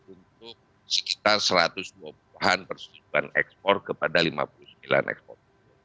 untuk sekitar satu ratus dua puluh perusahaan ekspor kepada lima puluh sembilan eksportir